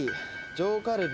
上カルビ。